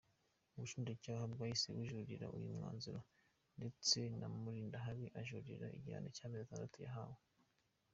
Ubushinjacyaha bwahise bujuririra uyu mwanzuro ndetse na Mulindahabi ajurira igihano cy’amezi atandatu yahawe.